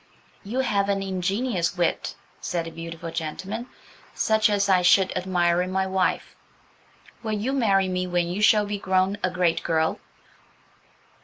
"You have an ingenious wit," said the beautiful gentleman, "such as I should admire in my wife. Will you marry me when you shall be grown a great girl?"